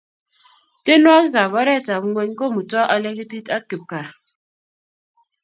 tienwokik ap oret ap ngueny kumutwo alekitit ak kipkaa